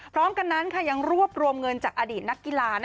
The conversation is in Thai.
พร้อมกันนั้นยังรวบรวมเงินจากอดีตนักกีฬา